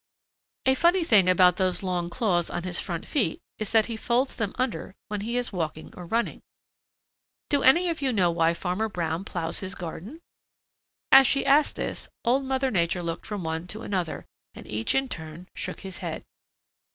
A funny thing about those long claws on his front feet is that he folds them under when he is walking or running. Do any of you know why Farmer Brown plows his garden?" As she asked this, Old Mother Nature looked from one to another, and each in turn shook his head.